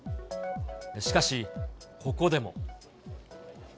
しかし、ここでも。